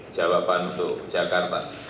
jawaban untuk jakarta